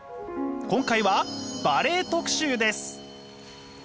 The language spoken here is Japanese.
今回はバレエ特集です。